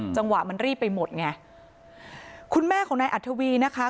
จังหวะมันรีบไปหมดไงคุณแม่ของนายอัธวีนะคะ